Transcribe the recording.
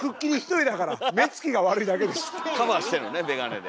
カバーしてるのね眼鏡で。